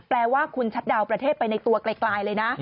แปลว่าคุณชัดดาวนประเทศไปในตัวไกลเลยนะ